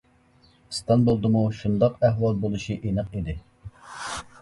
ئىستانبۇلدىمۇ ئاشۇنداق ئەھۋال بولۇشى ئېنىق ئىدى.